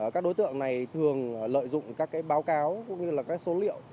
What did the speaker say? các đối tượng này thường lợi dụng các báo cáo cũng như là các số liệu